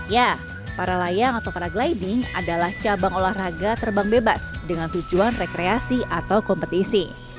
ya para layang atau para gliding adalah cabang olahraga terbang bebas dengan tujuan rekreasi atau kompetisi